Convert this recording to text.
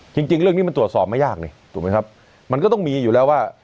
จริงจริงเรื่องนี้มันตรวจสอบไม่ยากนี่ถูกไหมครับมันก็ต้องมีอยู่แล้วว่า